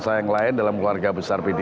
saya yang lain dalam warga besar pd